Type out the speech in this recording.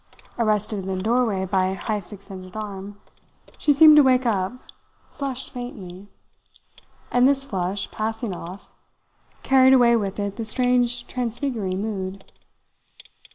Arrested in the doorway by Heyst's extended arm, she seemed to wake up, flushed faintly and this flush, passing off, carried away with it the strange transfiguring mood.